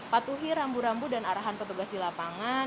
patuhi rambu rambu dan arahan petugas di lapangan